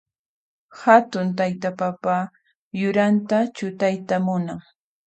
Hatun taytay papa yuranta chutayta munan.